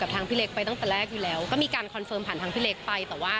เหมือนพูดถึงชื่อเราไปแล้วหรือเปล่า